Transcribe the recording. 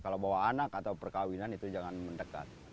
kalau bawa anak atau perkawinan itu jangan mendekat